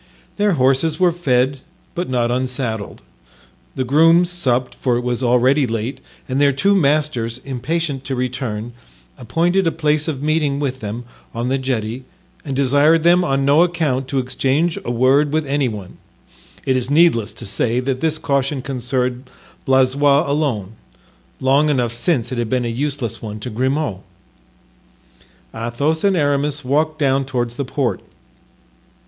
Their horses were fed, but not unsaddled; the grooms supped, for it was already late, and their two masters, impatient to return, appointed a place of meeting with them on the jetty and desired them on no account to exchange a word with any one. It is needless to say that this caution concerned Blaisois alone—long enough since it had been a useless one to Grimaud. Athos and Aramis walked down toward the port.